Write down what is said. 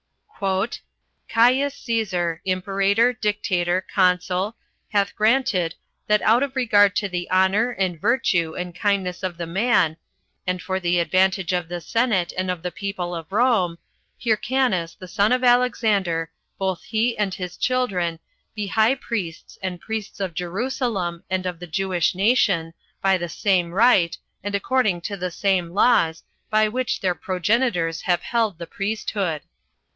"Caius Cæsar, imperator, dictator, consul, hath granted, That out of regard to the honor, and virtue, and kindness of the man, and for the advantage of the senate, and of the people of Rome, Hyrcanus, the son of Alexander, both he and his children, be high priests and priests of Jerusalem, and of the Jewish nation, by the same right, and according to the same laws, by which their progenitors have held the priesthood."